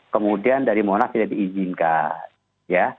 kemudian dari monas tidak diizinkan ya